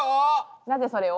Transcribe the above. なぜそれを？